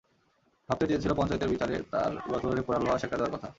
ভাবতে চেয়েছিল পঞ্চায়েতের বিচারে তার গতরে পোড়া লোহা সেঁকা দেওয়ার কথা।